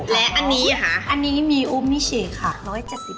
และอันนี้ฮะอันนี้มีอุ้มมิเชคค่ะ๑๗๐บาท